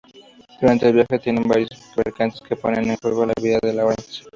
Durante el viaje tienen varios percances que ponen en juego la vida de Laurence.